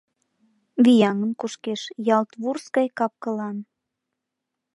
«Вияҥын кушкеш, ялт вурс гай кап-кылан».